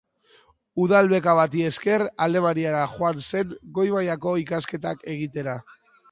Udal-beka bati esker, Alemaniara joan zen goi-mailako ikasketak egitera.